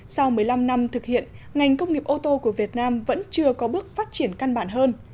sau một mươi năm năm thực hiện ngành công nghiệp ô tô của việt nam vẫn chưa có bước phát triển căn bản hơn